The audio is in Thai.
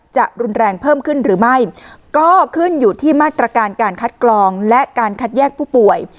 จะรุนแรงเพิ่มขึ้นหรือไม่ก็ขึ้นอยู่ที่มาตรการการคัดกรองและการคัดแยกผู้ป่วย